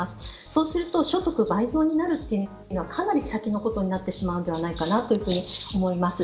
そうすると所得倍増になるというのはかなり先のことになってしまうのではないかと思います。